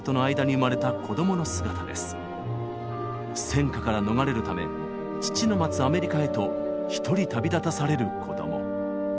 戦火から逃れるため父の待つアメリカへと一人旅立たされる子供。